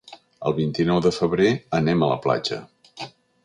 El vint-i-nou de febrer anem a la platja.